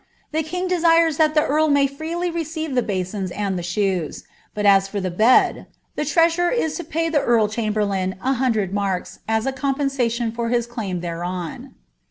log desires tliai the earl may freely receive the basins and the t ai for the bed, the treasurer is to pay the earl chamberlaiu a marks M a compeitsaiiou for his claim thereon."